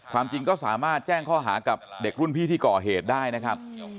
ความจริงก็สามารถแจ้งข้อหากับเด็กรุ่นพี่ที่ก่อเหตุได้นะครับ